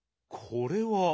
これは。